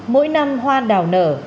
mỗi năm hoa đào nở